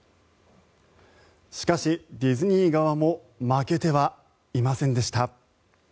しかし、ディズニー側も負けてはいませんでした。